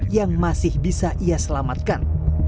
yang masih bisa ia selamatkan